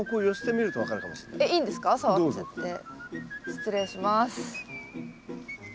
失礼します。